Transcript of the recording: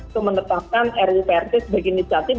kemenetapkan ruu prt sebagai nusyatid